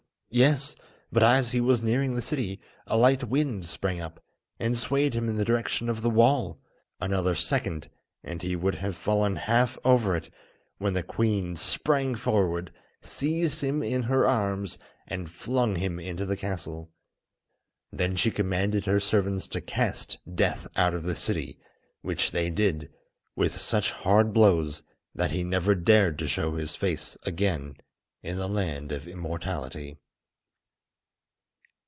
Yes! But as he was nearing the city, a light wind sprang up, and swayed him in the direction of the wall. Another second and he would have fallen half over it, when the queen sprang forward, seized him in her arms, and flung him into the castle. Then she commanded her servants to cast Death out of the city, which they did, with such hard blows that he never dared to show his face again in the Land of Immortality.